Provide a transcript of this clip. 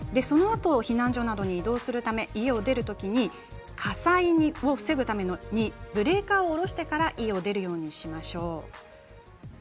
避難所などに移動するため家を出るとき火災を防ぐためにブレーカーを下ろしてから家を出るようにしましょう。